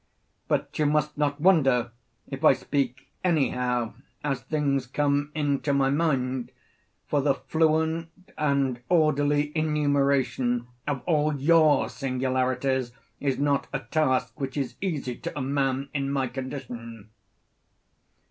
But you must not wonder if I speak any how as things come into my mind; for the fluent and orderly enumeration of all your singularities is not a task which is easy to a man in my condition.